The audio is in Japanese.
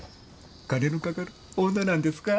金の掛かる女なんですか？